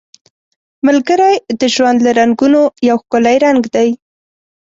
ملګری د ژوند له رنګونو یو ښکلی رنګ دی